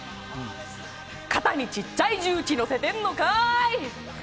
肩にちっちゃい重機のせてんのかい！